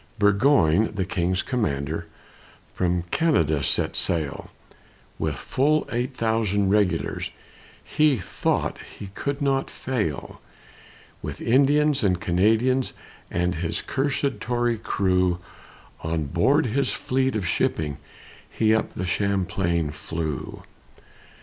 Burgoyne, the King's commander, From Canada set sail; With full eight thousand regulars, He thought he could not fail; With Indians and Canadians, And his cursèd Tory crew, On board his fleet of shipping He up the Champlain flew.